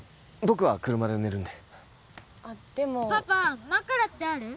僕は車で寝るんであっでもパパ枕ってある？